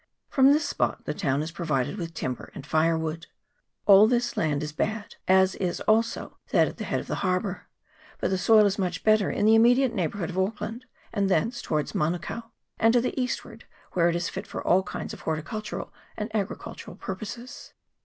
From this spot the town is provided with timber and firewood. All this land is bad, as is also that at the head of the harbour ; but the soil is much better in the immediate neigh bourhood of Auckland, and thence towards Manu kao, and to the eastward, where it is fit for all kind of horticultural and agricultural purposes.